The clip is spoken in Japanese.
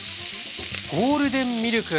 ゴールデンミルク。